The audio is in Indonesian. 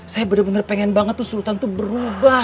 saya bener bener pengen banget tuh sultan tuh berubah begitu loh pak kiai